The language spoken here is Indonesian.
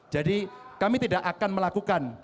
jadi kami tidak akan melakukan